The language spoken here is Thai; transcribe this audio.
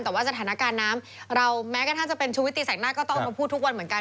แต่ว่าสถานการณ์น้ำเราแม้กระทั่งจะเป็นชุวิตตีแสงหน้าก็ต้องเอามาพูดทุกวันเหมือนกัน